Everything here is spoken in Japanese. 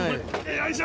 よいしょ！